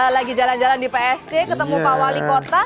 lagi jalan jalan di psc ketemu pak wali kota